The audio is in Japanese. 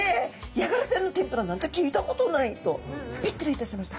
ヤガラちゃんの天ぷらなんて聞いたことないとびっくりいたしました。